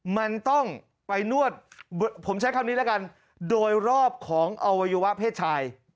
มันต้องไปนวดผมใช้คำนี้แล้วกันโดยรอบของอวัยวะเพศชาย